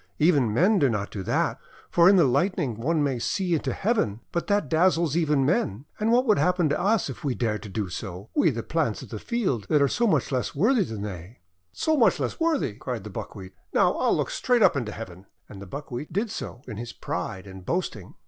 Even men do not do that. For in the Light ning one may see into Heaven; but that dazzles THE PROUD BUCKWHEAT 341 even men. And what would happen to us if we dared to do so — we the plants of the field that are so much less worthy than they!'1 :<So much less worthy!" cried the Buckwheat. "Now, I'll look straight up into Heaven!' And the Buckwheat did so in its pride and boasting.